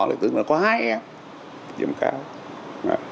tự dưng là có hai em điểm cao